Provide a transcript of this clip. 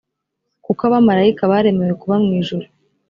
kuko abamarayika baremewe kuba mu ijuru